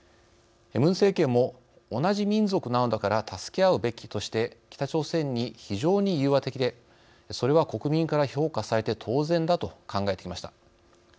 ムン政権も「同じ民族なのだから助け合うべき」として北朝鮮に非常に融和的でそれは国民から評価されて当然だと考えてきました。